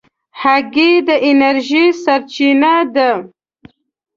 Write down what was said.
هګۍ د انرژۍ سرچینه ده.